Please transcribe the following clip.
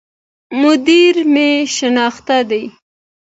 مدير مي شناخته دی